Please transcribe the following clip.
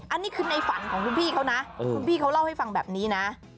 อันนี้คือในฝันของคุณพี่เขานะคุณพี่เขาเล่าให้ฟังแบบนี้นะ